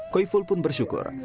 khoiful pun bersyukur